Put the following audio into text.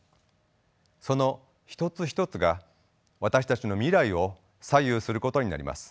その一つ一つが私たちの未来を左右することになります。